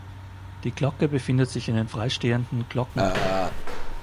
Die Glocke befindet sich in dem frei stehenden Glockenturm.